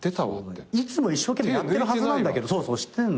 いつも一生懸命やってるはずなんだけど。